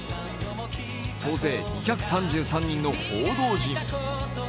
総勢２３３人の報道陣。